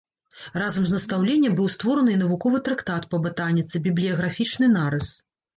Разам з настаўленнем быў створаны і навуковы трактат па батаніцы, бібліяграфічны нарыс.